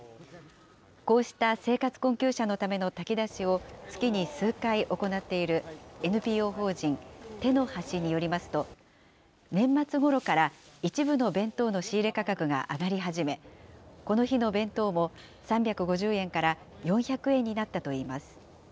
こうした生活困窮者のための炊き出しを、月に数回行っている、ＮＰＯ法人ＴＥＮＯＨＡＳＩによりますと、年末ごろから、一部の弁当の仕入れ価格が上がり始め、この日の弁当も、３５０円から４００円になったといいます。